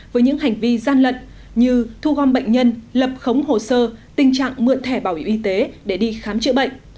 với những hành vi gian lận như thu gom bệnh nhân lập khống hồ sơ tình trạng mượn thẻ bảo hiểm y tế để đi khám chữa bệnh